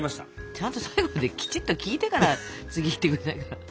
ちゃんと最後まできちっと聞いてから次行ってくんないかな？